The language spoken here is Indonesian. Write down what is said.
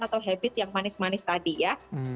atau habit yang manis manis tadi ya